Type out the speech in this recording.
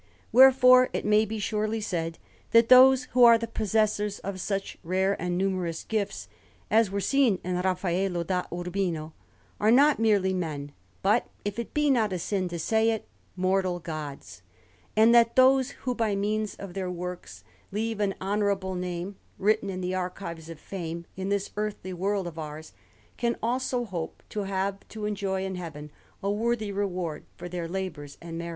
Wherefore it may be surely said that those who are the possessors of such rare and numerous gifts as were seen in Raffaello da Urbino, are not merely men, but, if it be not a sin to say it, mortal gods; and that those who, by means of their works, leave an honourable name written in the archives of fame in this earthly world of ours, can also hope to have to enjoy in Heaven a worthy reward for their labours and merits.